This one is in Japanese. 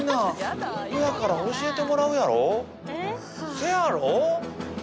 せやろ？